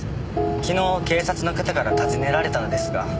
昨日警察の方から尋ねられたのですが。